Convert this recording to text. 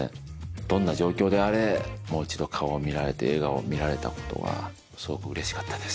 どんな状況であれもう一度顔を見られて笑顔を見られたことがすごくうれしかったです